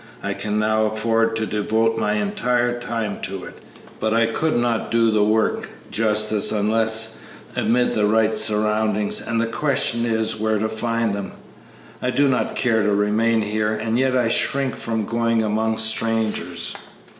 I can now afford to devote my entire time to it, but I could not do the work justice unless amid the right surroundings, and the question is, where to find them. I do not care to remain here, and yet I shrink from going among strangers."